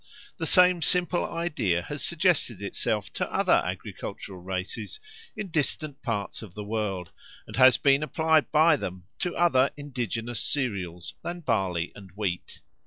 The same simple idea has suggested itself to other agricultural races in distant parts of the world, and has been applied by them to other indigenous cereals than barley and wheat.